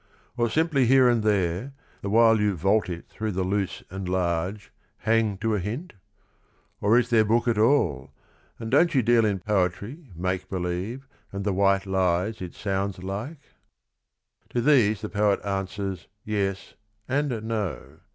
Or simply here and there, (The while you vault it through the loose and large) Hang to a hint? Or is there book at all, And don't you deal in poetry, make believe, And the white lies it sounds like? '" To these the poet answers "yes" and "no."